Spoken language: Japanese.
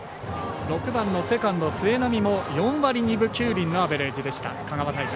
６番のセカンド末浪も４割２分９厘のアベレージでした、香川大会。